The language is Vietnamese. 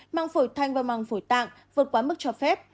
măng phổi thanh và măng phổi tạng vượt quá mức cho phép